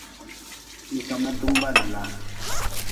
Hii ka mi na tungu baa ni laa.